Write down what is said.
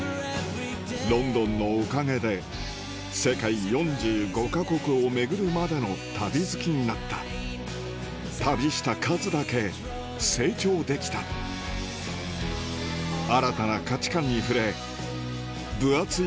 ロンドンのおかげで世界４５か国を巡るまでの旅好きになった旅した数だけ成長できた新たな価値観に触れ分厚い